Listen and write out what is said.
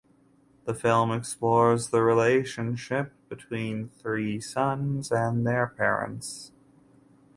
The film explores the relationship between three sons and their parents.